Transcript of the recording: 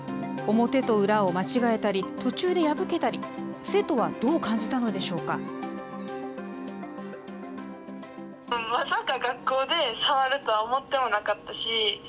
表と裏を間違えたり、途中で破けたり、生徒はどう感じたのでしょうか。